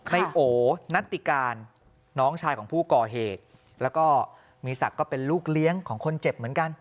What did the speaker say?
ในโอนัตติการน้องชายของผู้ก่อเหตุแล้วก็มีศักดิ์ก็เป็นลูกเลี้ยงของคนเจ็บเหมือนกัน